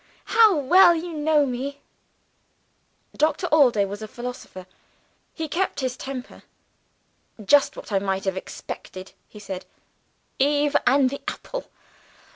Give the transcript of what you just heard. "How well you know me!" Doctor Allday was a philosopher: he kept his temper. "Just what I might have expected," he said. "Eve and the apple!